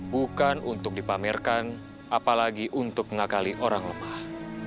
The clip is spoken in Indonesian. bukan untuk dipamerkan apalagi untuk mengakali orang lemah